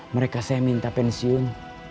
mereka saya minta pensiun